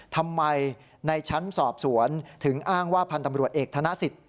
ทำไมในชั้นสอบสวนถึงอ้างว่าพันธ์ตำรวจเอกธนสิทธิ